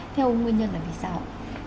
theo ông nguyên nhân là vì sao